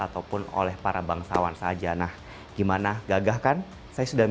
jadi ini orang krui bilangnya motifnya gunung bertali karena ini bentuknya mirip gunung